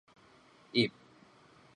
邑